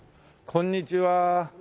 こんにちは。